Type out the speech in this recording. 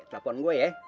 telpon gua ya